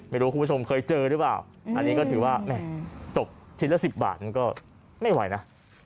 คุณผู้ชมเคยเจอหรือเปล่าอันนี้ก็ถือว่าแม่ตกชิ้นละ๑๐บาทมันก็ไม่ไหวนะ